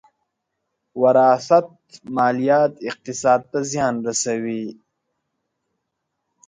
وراثت ماليات اقتصاد ته زیان رسوي.